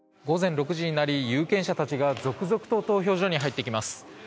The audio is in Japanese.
午前６時になり有権者たちが続々と投票所に入っていきます。